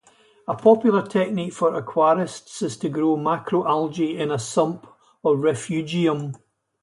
A popular technique for aquarists, is to grow macroalgae in a sump or refugium.